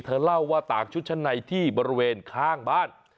เล่าว่าตากชุดชั้นในที่บริเวณข้างบ้าน